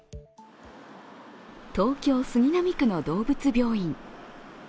東京・杉並区の動物病院。